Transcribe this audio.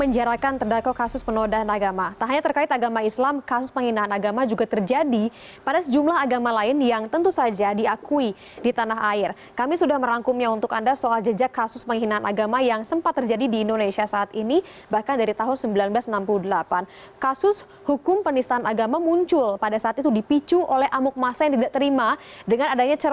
jelik penistaan agama